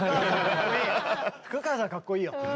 福川さんかっこいいよ。